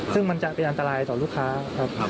ซึ่งมันจะเป็นอันตรายต่อลูกค้าครับ